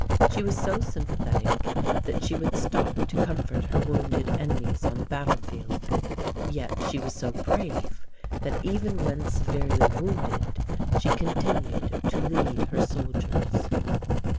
She was so sympathetic that she would stop to comfort her wounded enemies on the battlefield; yet she was so brave that even when severely wounded she continued to lead her soldiers.